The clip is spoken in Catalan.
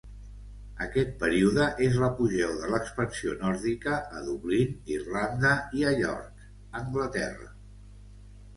Aquest període és l'apogeu de l'expansió nòrdica a Dublin, Irlanda i a York, Anglaterra.